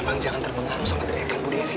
memang jangan terpengaruh sama teriakan budi